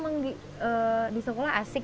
kami bisa beristirahat sejenak